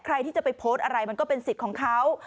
ใครที่จะไปโพสต์อะไรมันก็เป็นสิทธิ์ของเขา